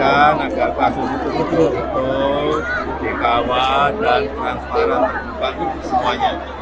saya ingin menyampaikan agar kasus itu betul betul kekekawah dan transparan terbuka untuk semuanya